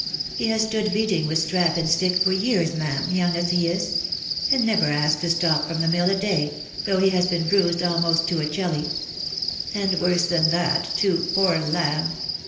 " He has stood beating with strap and stick for years, ma'am, young as he is; and never asked to stop from the mill a day, though he has been bruised almost to a jelly ;— and worse than that, too, poor lamb